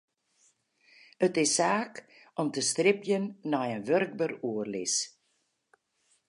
It is saak om te stribjen nei in wurkber oerlis.